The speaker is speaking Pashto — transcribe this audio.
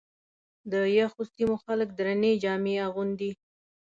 د یخو سیمو خلک درنې جامې اغوندي.